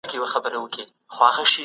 سالم ذهن هدف نه ځنډوي.